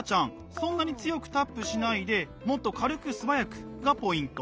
そんなに強くタップしないでもっと軽く素早くがポイント。